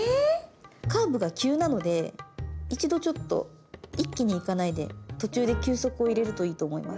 カーブが急なので一度ちょっと一気に行かないで途中で休息を入れるといいと思います。